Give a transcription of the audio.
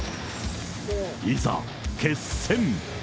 いざ、決戦。